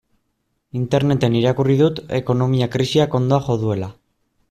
Interneten irakurri dut ekonomia krisiak hondoa jo duela.